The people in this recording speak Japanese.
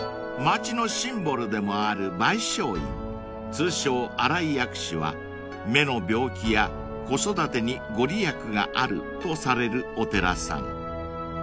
通称新井薬師は目の病気や子育てにご利益があるとされるお寺さん］